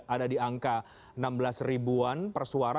ada di angka enam belas ribuan persuara